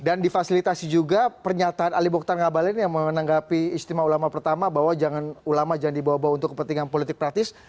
dan difasilitasi juga pernyataan ali bokhtar ngabalin yang menanggapi istimewa ulama pertama bahwa ulama jangan dibawa bawa untuk kepentingan politik praktis